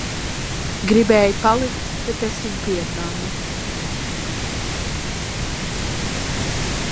Gribēja palikt, bet es viņu pierunāju.